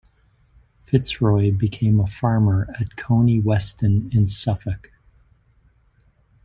FitzRoy became a farmer at Coney Weston in Suffolk.